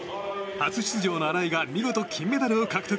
初出場の新井が見事金メダルを獲得。